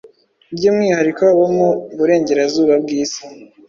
by’umwihariko abo mu burengerazuba bw’isi